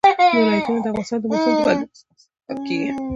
ولایتونه د افغانستان د موسم د بدلون سبب کېږي.